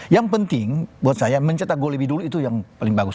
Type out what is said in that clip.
yang penting buat saya mencetak gol lebih dulu itu yang paling bagus